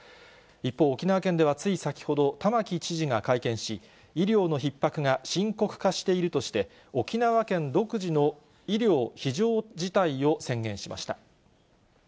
一方、沖縄県ではつい先ほど、玉城知事が会見し、医療のひっ迫が深刻化しているとして、沖縄県独自の医療非常事態を宣言しました。